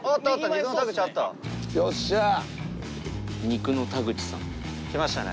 肉の田口さん。来ましたね